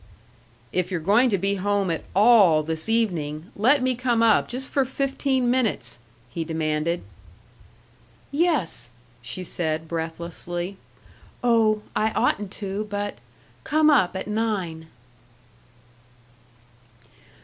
"If you're going to be home at all this evening, let me come up just for fifteen minutes!" he demanded. "Yes!" she said, breathlessly. "Oh, I oughtn't to, but come up at nine."